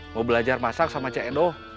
mau belajar masak sama cndo